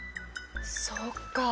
そっかあ。